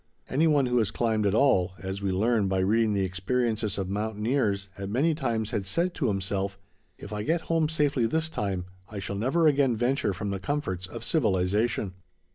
Any one who has climbed at all, as we learn by reading the experiences of mountaineers, at many times has said to himself: "If I get home safely this time I shall never again venture from the comforts of civilization."